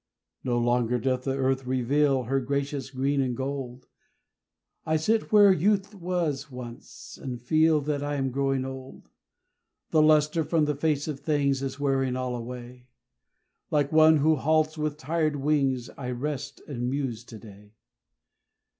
No longer doth the earth reveal Her gracious green and gold; I sit where youth was once, and feel That I am growing old. The lustre from the face of things Is wearing all away; Like one who halts with tired wings, I rest and muse to day.